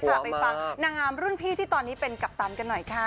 ไปฟังนางงามรุ่นพี่ที่ตอนนี้เป็นกัปตันกันหน่อยค่ะ